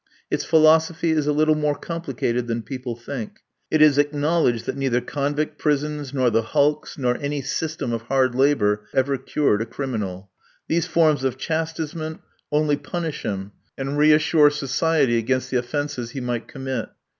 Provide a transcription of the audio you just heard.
Its philosophy is a little more complicated than people think. It is acknowledged that neither convict prisons, nor the hulks, nor any system of hard labour ever cured a criminal. These forms of chastisement only punish him and reassure society against the offences he might commit.